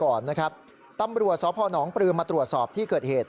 พยาบาลก่อนนะครับตำรวจศพน้องปรือมาตรวจสอบที่เกิดเหตุ